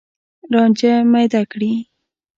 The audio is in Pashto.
رانجه میده کړي